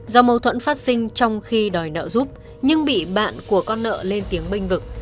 do mâu thuẫn phát sinh trong khi đòi nợ giúp nhưng bị bạn của con nợ lên tiếng binh vực